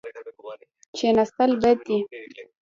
کښېناستل بد دي.